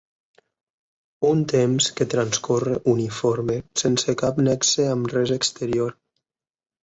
Un temps que transcorre uniforme sense cap nexe amb res exterior.